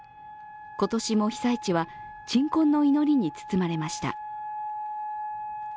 今年も被災地は鎮魂の祈りに包まれました。